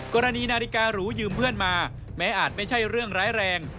กรณีนาฬิการูยืมเพื่อนมาแม้อาจไม่ใช่เรื่องร้ายแรง